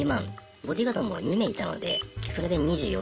ボディーガードも２名いたのでそれで２４万で。